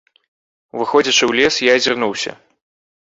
Уваходзячы ў лес, я азірнуўся.